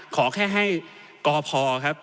ขอแค่ให้กพครับ